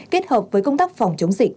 kết hợp với công tác phòng chống dịch